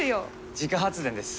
自家発電です。